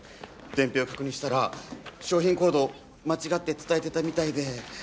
伝票を確認したら商品コードを間違って伝えてたみたいで。